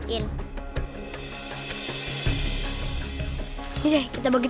ilangnya cepet banget